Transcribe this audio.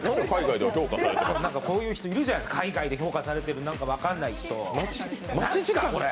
こういう人いるじゃないですか、海外で評価されているなんか分かんない人。